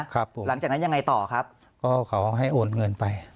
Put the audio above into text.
หลังจากนั้นยังไงต่อครับก็เขาให้โอนเงินไป